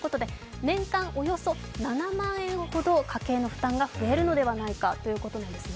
年間およそ７万円ほど家計の負担が増えるのではないかということです。